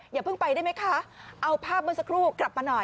อย่าเพิ่งไปได้ไหมคะเอาภาพเมื่อสักครู่กลับมาหน่อย